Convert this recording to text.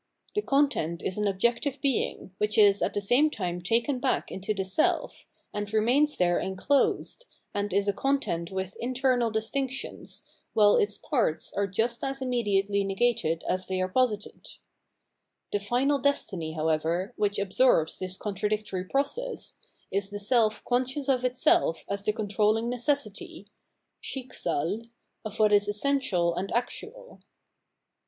The content is an objective being, which is at the same time taken back into the self, and remains there enclosed, and is a content with internal distinctions, while ite parts are just as imme diately negated as they are posited. The final destiny, however, which absorbs this contradictory process, is the self conscious of itself as the controlling necessity {SchicJcsal) of what is essential and actual.